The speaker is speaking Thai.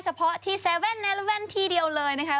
เฉพาะที่๗๑๑ที่เดียวเลยนะคะ